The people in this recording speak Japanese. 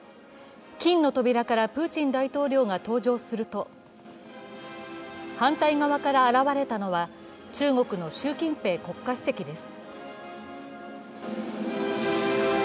金の扉からプーチン大統領が登場すると反対側から現れたのは中国の習近平国家主席です。